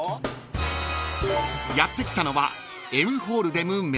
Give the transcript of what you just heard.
［やって来たのは］